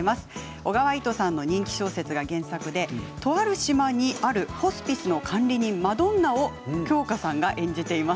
小川糸さんの人気小説が原作でとある島にあるホスピスの管理人、マドンナを京香さんが演じています。